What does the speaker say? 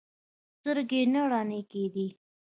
سترګې نه رڼې کېدې.